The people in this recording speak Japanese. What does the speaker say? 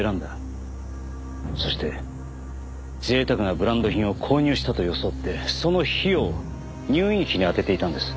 そして贅沢なブランド品を購入したと装ってその費用を入院費に充てていたんです。